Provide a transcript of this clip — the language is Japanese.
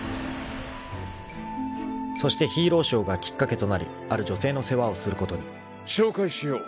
［そしてヒーローショーがきっかけとなりある女性の世話をすることに］紹介しよう。